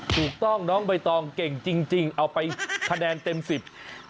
ถูกต้องน้องใบตองเก่งจริงจริงเอาไปคะแนนเต็มสิบ